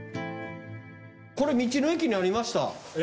これ道の駅にありました。